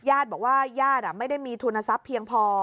ญาติบอกว่าญาติไม่ได้มีทุนทรัพย์เพียงพอ